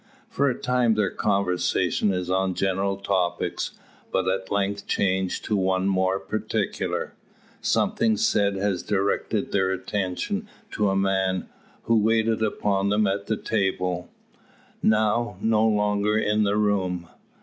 For a time their conversation is on general topics; but at length changes to one more particular. Something said has directed their attention to a man, who waited upon them at table, now no longer in the room.